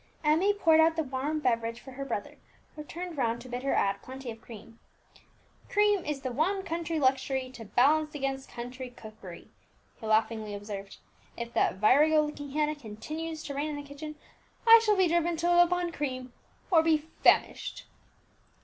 Emmie poured out the warm beverage for her brother, who turned round to bid her add plenty of cream. "Cream is the one country luxury to balance against country cookery," he laughingly observed. "If that virago looking Hannah continue to reign in the kitchen, I shall be driven to live upon cream, or be famished!"